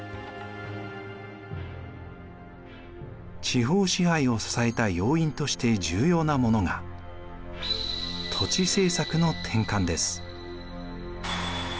地方支配を支えた要因として重要なものが土地政策の転換です。